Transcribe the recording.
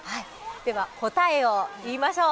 答えを言いましょう。